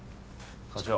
課長。